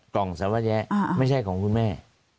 กล่องสวแยะไม่ใช่ของคุณแม่